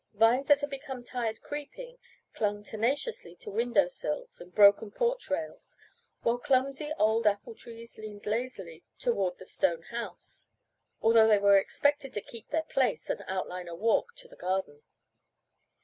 Vines that had become tired creeping clung tenaciously to window sills and broken porch rails, while clumsy old apple trees leaned lazily toward the stone house, although they were expected to keep their place, and outline a walk to the garden.